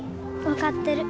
分かってる。